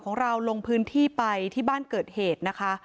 ของเราลงพื้นที่ไปที่บ้านเกิดเหตุนะคะ